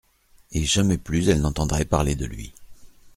Et jamais plus elle n'entendrait parler de lui.